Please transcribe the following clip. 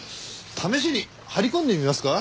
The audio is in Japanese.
試しに張り込んでみますか？